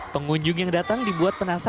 pengunjung yang datang dibuat penasaran